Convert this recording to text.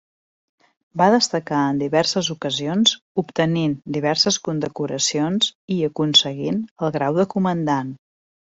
Va destacar en diverses ocasions obtenint diverses condecoracions i aconseguint el grau de comandant.